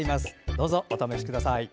どうぞお試しください。